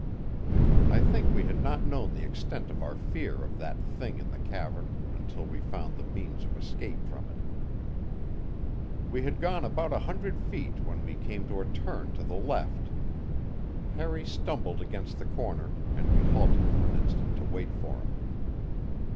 I think we had not known the extent of our fear of that thing in the cavern until we found the means of escape from it. We had gone about a hundred feet when we came to a turn to the left. Harry stumbled against the corner, and we halted for an instant to wait for him.